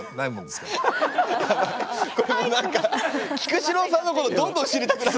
何か菊紫郎さんのことどんどん知りたくなる。